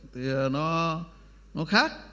thì nó khác